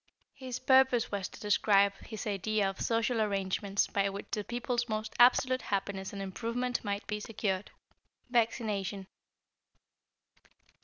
His purpose was to describe his idea of social arrangements by which the people's most absolute happiness and improvement might be secured. =Vaccination.